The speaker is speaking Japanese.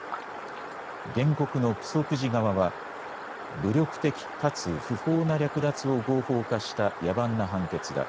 原告のプソク寺側は、武力的かつ不法な略奪を合法化した野蛮な判決だ。